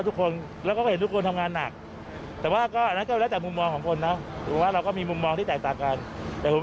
ทุกหน่วยงานแล้วก็ร่วมมือกันดีนะ